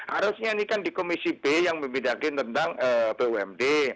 harusnya ini kan di komisi b yang membedakin tentang bumd